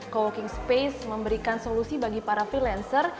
co working space memberikan solusi bagi para freelancer